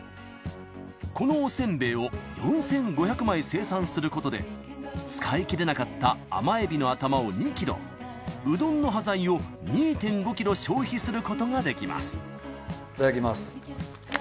このおせんべいを４，５００枚生産することで使い切れなかった甘えびの頭を２ｋｇうどんの端材を２．５ｋｇ消費することができますいただきます。